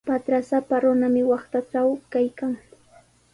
Patrasapa runami waqtatraw kaykan.